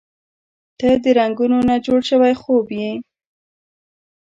• ته د رنګونو نه جوړ شوی خوب یې.